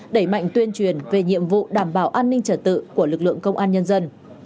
đẩy mạnh tuyên truyền về nhiệm vụ đảm bảo an ninh trật tự của lực lượng công an nhân dân